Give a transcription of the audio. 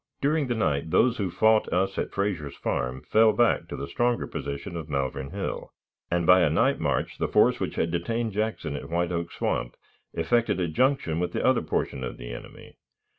During the night those who fought us at Frazier's Farm fell back to the stronger position of Malvern Hill, and by a night march the force which had detained Jackson at White Oak Swamp effected a junction with the other portion of the enemy.